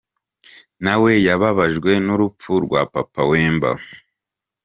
Nawe yababajwe n’urupfu rwa Papa Wemba.